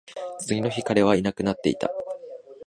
次の日、彼はいなくなっていた